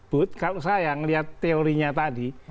bud kalau saya ngeliat teorinya tadi